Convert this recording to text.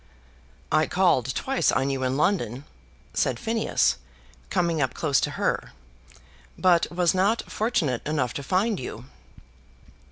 "I called twice on you in London," said Phineas, coming up close to her, "but was not fortunate enough to find you!"